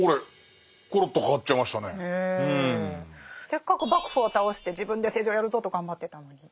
せっかく幕府を倒して自分で政治をやるぞと頑張ってたのに。